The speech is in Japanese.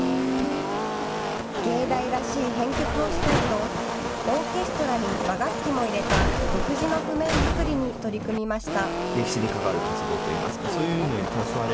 藝大らしい編曲をしたいとオーケストラに和楽器も入れた独自の譜面作りに取り組みました。